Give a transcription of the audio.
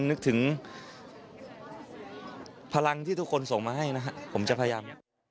นึกถึงพลังที่ทุกคนส่งมาให้นะครับผมจะพยายาม